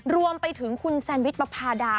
รวมไปถึงคุณแซนวิชปภาดา